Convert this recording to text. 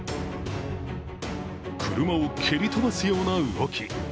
車を蹴り飛ばすような動き。